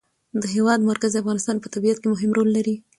د هېواد مرکز د افغانستان په طبیعت کې مهم رول لري.